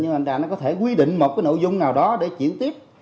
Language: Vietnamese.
nhưng mà nó có thể quy định một cái nội dung nào đó để chịu tiếp